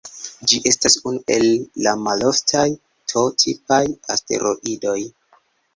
Ĝi estas unu el la maloftaj T-tipaj asteroidoj.